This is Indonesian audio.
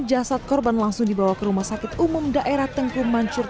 jasad korban langsung dibawa ke rumah sakit umum daerah tengku mancur